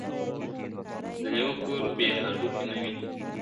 د لېوه کور بې هډوکو نه وي `